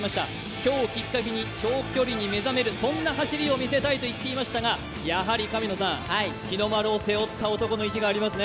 今日をきっかけに長距離に目覚める、そんな走りを見せたいといっていましたがやはり日の丸を背負った男の意地がありますね。